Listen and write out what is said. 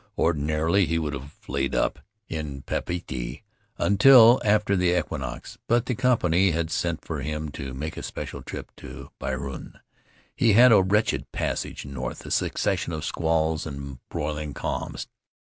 Ordinarily he would have been laid up in Papeete until after the equinox, but the company had sent for him to make a special trip to Penrhyn. We had a wretched passage north — a succession of squalls and broiling calms.